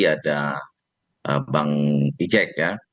ada bang pijek ya